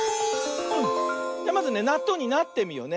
じゃまずねなっとうになってみようね。